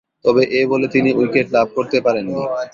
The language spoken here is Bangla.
তবে এ বলে তিনি উইকেট লাভ করতে পারেননি।